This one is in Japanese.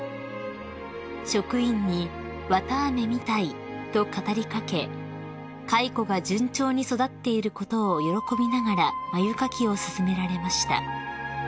［職員に「綿あめみたい」と語り掛け蚕が順調に育っていることを喜びながら繭かきを進められました］